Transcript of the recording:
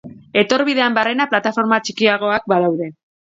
Etorbidean barrena, plataforma txikiagoak badaude.